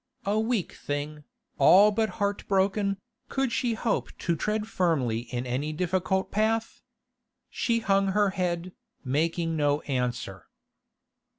A weak thing, all but heart broken, could she hope to tread firmly in any difficult path? She hung her head, making no answer.